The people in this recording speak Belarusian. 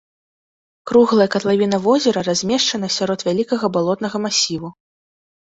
Круглая катлавіна возера размешчана сярод вялікага балотнага масіву.